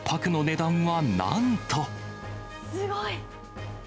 すごい！